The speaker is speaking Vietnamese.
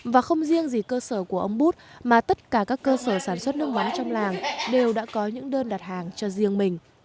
và không riêng gì cơ sở của ống bút mà tất cả các cơ sở sản xuất nước mắm trong làng đều đã có những đơn đặt hàng cho riêng mình